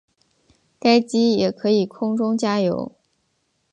该机也可以空中加油。